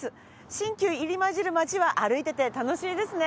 新旧入り交じる街は歩いてて楽しいですね。